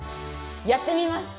やってみます。